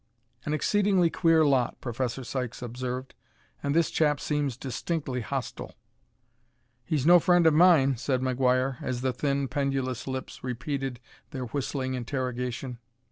"An exceedingly queer lot," Professor Sykes observed. "And this chap seems distinctly hostile." "He's no friend of mine," said McGuire as the thin, pendulous lips repeated their whistling interrogation.